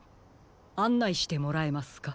あんないしてもらえますか？